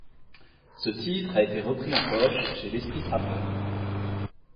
Ce titre a été repris en poche chez L'Esprit frappeur.